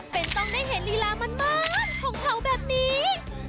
เป็นต้องได้เห็นลีลามันของเขาแบบนี้